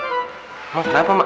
emang ada apa mbak